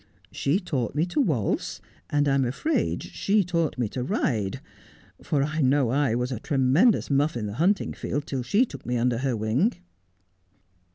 She taught me to waltz ; and I'm afraid she taught me to ride, for I know I was a tremendous muff in the hunting field till she took me under her wing.'